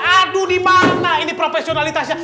aduh dimana ini profesionalitasnya